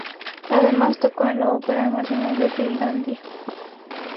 Además tocó en la Opera Nacional de Finlandia.